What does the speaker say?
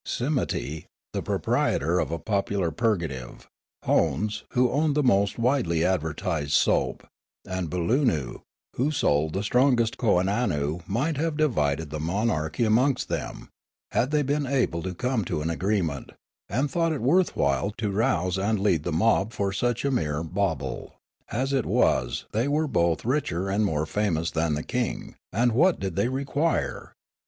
Simmity, the proprietor of a popular purg ative. Hones, who owned the most widely advertised soap, and Bulunu, who sold the strongest kooannoo, might have divided the monarchy amongst them, had they been able to come to an agreement, and thought it worth while to rouse and lead the mob for such a mere bauble; as it was the)^ were both richer and more famous than the king ; and what did they require